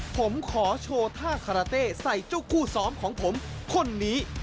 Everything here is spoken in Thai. ผมขอโชว์ท่าคาราเต้ใส่เจ้าคู่ซ้อมของผมคนนี้